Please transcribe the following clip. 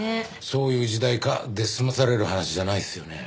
「そういう時代か」で済まされる話じゃないですよね。